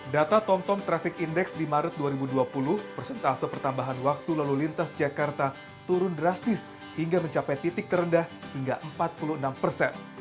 data tomtom traffic index di maret dua ribu dua puluh persentase pertambahan waktu lalu lintas jakarta turun drastis hingga mencapai titik terendah hingga empat puluh enam persen